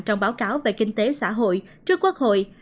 trong báo cáo về kinh tế xã hội trước quốc hội